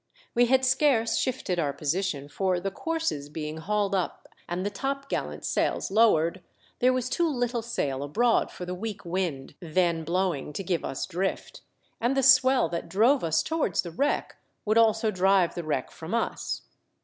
We had scarce shifted our position, for the courses being hauled up and the topgallant sails lowered, there was too little sail abroad for the weak wind then blowing to give us drift, and the swell that drove us towards the wreck would also drive the wreck from us.